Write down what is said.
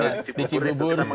ya masih di cibubun